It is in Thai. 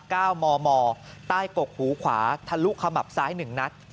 ก้าวมมใต้กกหูขวาทะลุขมับซ้าย๑นัท